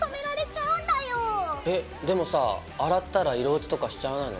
えでもさ洗ったら色落ちとかしちゃわないの？